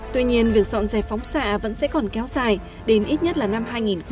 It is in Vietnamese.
tuy nhiên việc dọn dẹp phóng xạ vẫn sẽ còn kéo dài đến ít nhất là năm hai nghìn một mươi năm